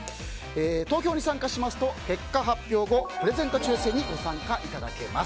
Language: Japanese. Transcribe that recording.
投票に参加しますと結果発表後プレゼント抽選にご参加いただけます。